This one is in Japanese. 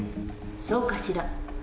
そうかしら。